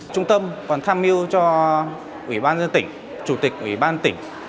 trung tâm còn tham mưu cho ủy ban dân tỉnh chủ tịch ủy ban tỉnh